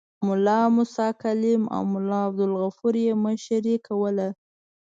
ملا موسی کلیم او ملا عبدالغفور یې مشري کوله.